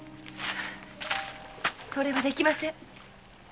それはできません。